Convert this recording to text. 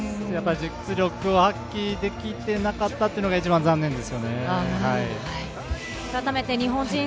実力を発揮できてなかったっていうのが一番残念です。